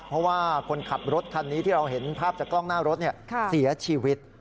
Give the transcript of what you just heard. เพราะว่าคนขับรถคันนี้ที่เราเห็นภาพจากกล้องหน้ารถเสียชีวิต